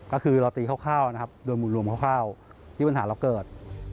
ก็คือเราตีข้าวโดยหมู่รวมข้าวที่ปัญหาเราเกิด